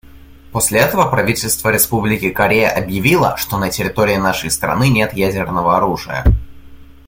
После этого правительство Республики Корея объявило, что на территории нашей страны нет ядерного оружия.